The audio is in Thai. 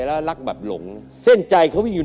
แล้วรักแบบหลงเส้นใจเขาวิ่งอยู่